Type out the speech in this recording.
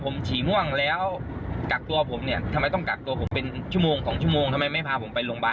นี่ผลตรวจผมนะครับ